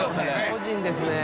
個人ですね。